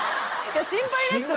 心配になっちゃって。